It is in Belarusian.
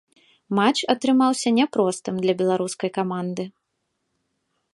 Матч атрымаўся няпростым для беларускай каманды.